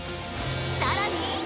さらに！